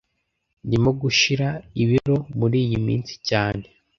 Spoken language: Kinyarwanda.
Ndimo gushira ibiro muriyi minsi cyane